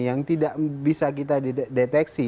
yang tidak bisa kita deteksi